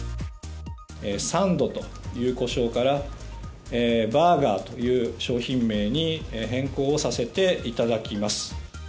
サンドという呼称から、バーガーという商品名に変更をさせていただきます。